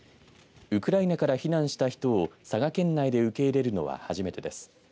ウクライナから避難した人を佐賀県内で受け入れるのは初めてです。